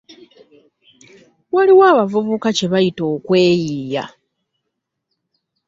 Waliwo abavubuka kye bayita "okweyiiya".